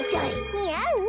にあう？